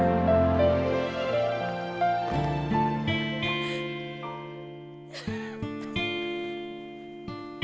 insya allah kami semua kuat yang ada disini